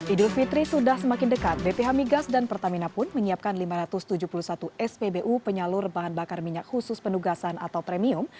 idul fitri sudah semakin dekat bph migas dan pertamina pun menyiapkan lima ratus tujuh puluh satu spbu penyalur bahan bakar minyak khusus penugasan atau premium